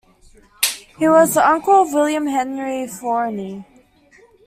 He was the uncle of William Henry Forney.